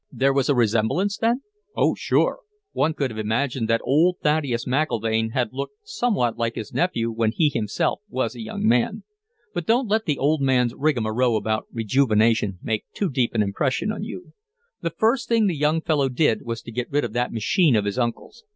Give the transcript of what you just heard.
"There was a resemblance, then?" "Oh, sure. One could have imagined that old Thaddeus McIlvaine had looked somewhat like his nephew when he himself was a young man. But don't let the old man's rigmarole about rejuvenation make too deep an impression on you. The first thing the young fellow did was to get rid of that machine of his uncle's.